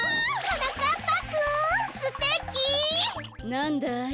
なんだい？